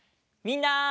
みんな！